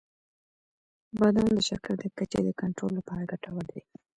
• بادام د شکر د کچې د کنټرول لپاره ګټور دي.